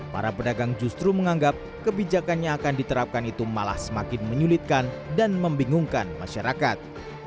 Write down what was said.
para pedagang justru menganggap kebijakan yang akan diterapkan itu malah semakin menyulitkan dan membingungkan masyarakat